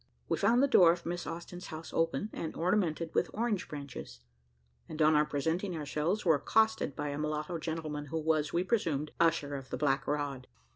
We found the door of Miss Austin's house open, and ornamented with orange branches, and on our presenting ourselves were accosted by a mulatto gentleman, who was, we presumed, "usher of the black rod."